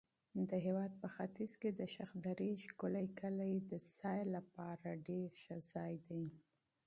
د هېواد په ختیځ کې د شخدرې ښکلي کلي د تفریح لپاره مناسب دي.